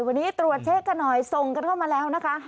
วันนี้ตรวจเช็คกันหน่อยส่งกันเข้ามาแล้วนะคะ